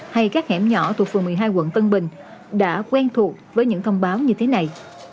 hay các hẻm nhỏ thuộc phường một mươi hai quận tân bình đã quen thuộc với những thông báo như thế này